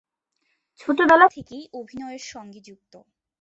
ছোটবেলা থেকেই অভিনয়ের সঙ্গে যুক্ত।